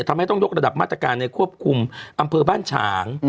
ทำให้ต้องยกระดับมาตรการในควบคุมอำเภอบ้านฉาง